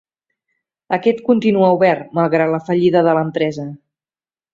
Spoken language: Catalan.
Aquest continua obert, malgrat la fallida de l'empresa.